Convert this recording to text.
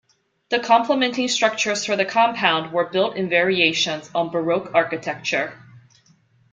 The complementing structures for the compound were built in variations on Baroque architecture.